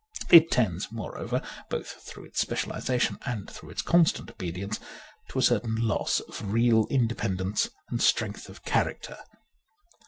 It tends, moreover (both through its specialization and through its constant obedience), to a certain loss of real independence and strength of character.